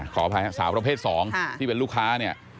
ขออภัยสาวประเภท๒ก็เป็นหลูกค้า